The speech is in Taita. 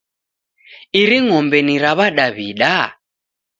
Iri ng'ombe ni ra W'adaw'ida?